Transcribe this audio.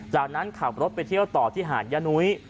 จากนั้นขับรถไปเที่ยวต่อที่หาดยานุ้ย